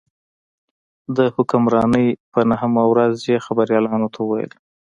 د حکمرانۍ په نهمه ورځ یې خبریالانو ته وویل.